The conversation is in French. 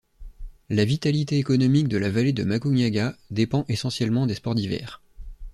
La vitalité économique de la vallée de Macugnaga dépend essentiellement des sports d'hiver.